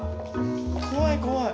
怖い怖い。